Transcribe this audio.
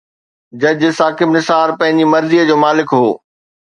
جج ثاقب نثار پنهنجي مرضي جو مالڪ هو.